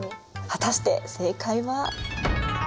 果たして正解は？